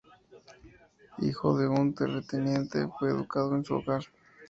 Hijo de un terrateniente, fue educado en su hogar.